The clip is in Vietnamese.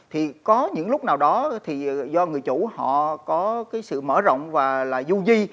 thì có những lúc nào đó thì do người chủ họ có cái sự mở rộng và là du di